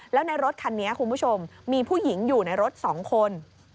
แล้วในรถคันนี้คุณผู้ชมมีผู้หญิงอยู่ในรถ๒คน